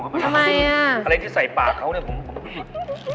ทำไมอ่ะอะไรที่ใส่ปากเขาเนี่ยผม